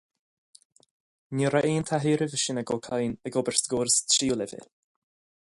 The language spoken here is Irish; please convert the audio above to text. Ní raibh aon taithí roimhe sin ag Ó Cadhain ag obair sa gcóras tríú leibhéal.